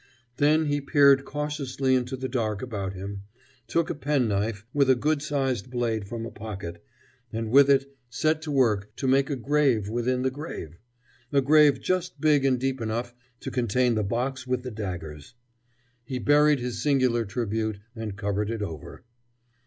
Then he peered cautiously into the dark about him, took a penknife with a good sized blade from a pocket, and with it set to work to make a grave within the grave a grave just big and deep enough to contain the box with the daggers. He buried his singular tribute and covered it over.